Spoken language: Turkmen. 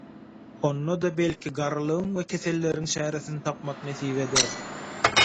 Onda-da belki garrylygyň we keselleriň çäresini tapmak nesip eder.